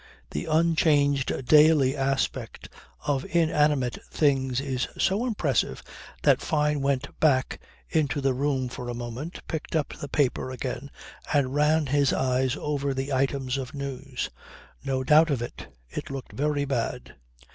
The unchanged daily aspect of inanimate things is so impressive that Fyne went back into the room for a moment, picked up the paper again, and ran his eyes over the item of news. No doubt of it. It looked very bad.